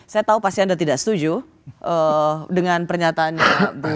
saya tahu pasti anda tidak setuju dengan pernyataannya